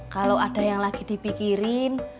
kalau ada yang lagi dipikirin